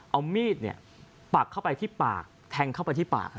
เอามีดปักเข้าไปที่ปากแทงเข้าไปที่ปาก